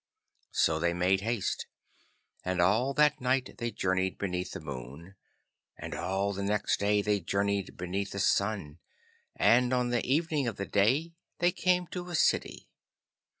So they made haste, and all that night they journeyed beneath the moon, and all the next day they journeyed beneath the sun, and on the evening of the day they came to a city.